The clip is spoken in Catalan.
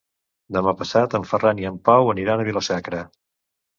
Demà passat en Ferran i en Pau aniran a Vila-sacra.